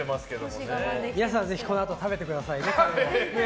皆さんぜひこのあと食べてください。